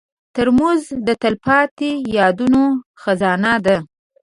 ترموز د تلپاتې یادونو خزانه ده.